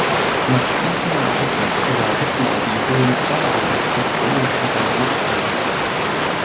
Nach diesem Ereignis sah Hitler die Hohenzollern als Bedrohung für seine Macht an.